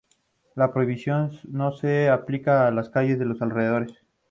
La prohibición no se aplicaba a las calles de los alrededores.